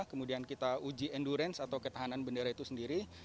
kemudian kita uji endurance atau ketahanan bendera itu sendiri